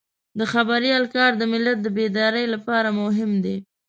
د خبریال کار د ملت د بیدارۍ لپاره مهم دی.